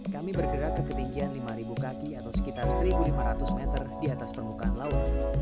kami bergerak ke ketinggian lima kaki atau sekitar satu lima ratus meter di atas permukaan laut